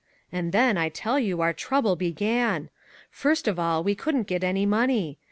And then, I tell you, our trouble began. First of all we couldn't get any money.